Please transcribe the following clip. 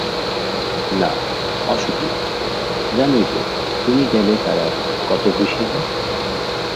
না, অসুখ না, জানই তো তুমি গেলে তারা কত খুশি হয়।